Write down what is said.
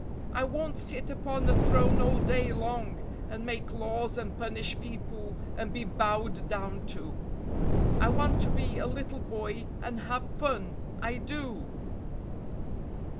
I won't sit upon a throne all day long and make laws and punish people and be bowed down to; I want to be a little boy and have fun, I do!"